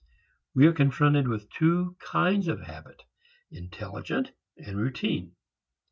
We are confronted with two kinds of habit, intelligent and routine.